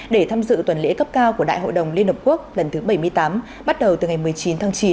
để tham dự tuần lễ cấp cao của đại hội đồng liên hợp quốc lần thứ bảy mươi tám bắt đầu từ ngày một mươi chín tháng chín